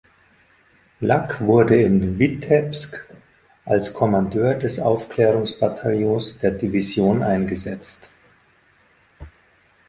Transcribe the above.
Luck wurde in Witebsk als Kommandeur des Aufklärungsbataillons der Division eingesetzt.